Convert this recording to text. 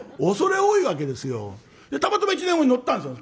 たまたま１年後に乗ったんですよ